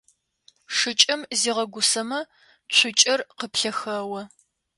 Шыкӏэм зигъэгусэмэ цукӏэр къыплъэхэо.